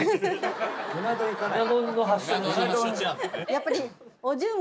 やっぱり。